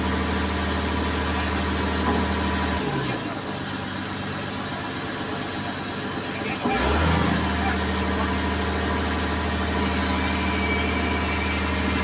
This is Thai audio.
สิ่งที่ต้องทำให้จริงคือจับไว้เห็นและยอดลงไป